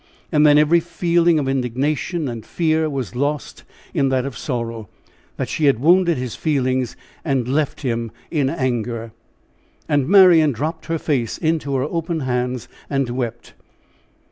And then every feeling of indignation and fear was lost in that of sorrow, that she had wounded his feelings, and left him in anger. And Marian dropped her face into her open hands and wept.